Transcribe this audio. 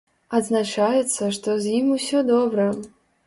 Адзначаецца, што з ім усё добра.